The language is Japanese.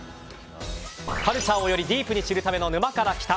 カルチャーをよりディープに知るための「沼から来た。」。